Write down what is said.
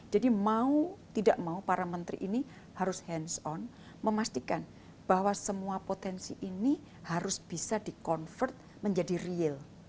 jadi mau tidak mau para menteri ini harus hands on memastikan bahwa semua potensi ini harus bisa di convert menjadi real